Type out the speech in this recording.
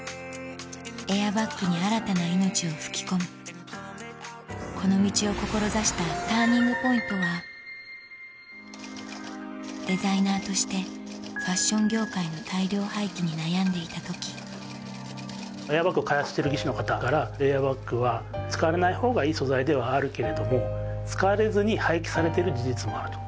エアバッグに新たな命を吹き込むこの道を志したＴＵＲＮＩＮＧＰＯＩＮＴはデザイナーとしてファッション業界の大量廃棄に悩んでいた時エアバッグを開発してる技師の方からエアバッグは使われないほうがいい素材ではあるけれども使われずに廃棄されてる事実もあると。